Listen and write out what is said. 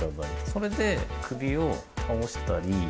それで、首を倒したり。